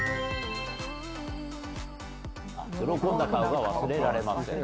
「喜んだ顔が忘れられません」。